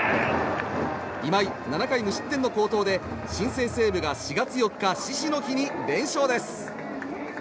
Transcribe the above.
今井、７回無失点の好投で新生・西武が４月４日獅子の日に連勝です。